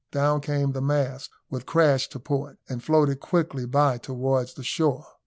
Down came the mast with crash to port, and floated quickly by towards the shore.